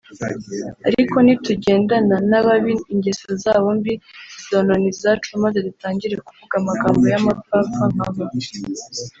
Ariko nitujyendana n'ababi ingeso zabo mbi zizonona izacu maze dutangire kuvuga amagambo y'amapfapfa nka bo